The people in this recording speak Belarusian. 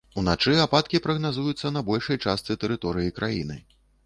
Уначы ападкі прагназуюцца на большай частцы тэрыторыі краіны.